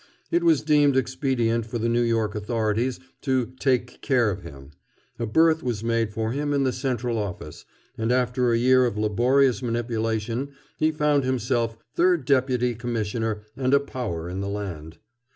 It was deemed expedient for the New York authorities to "take care" of him. A berth was made for him in the Central Office, and after a year of laborious manipulation he found himself Third Deputy Commissioner and a power in the land.